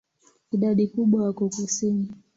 Idadi kubwa wako kusini.